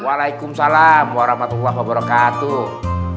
waalaikumsalam warahmatullahi wabarakatuh